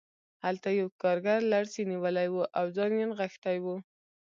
هلته یو کارګر لړزې نیولی و او ځان یې نغښتی و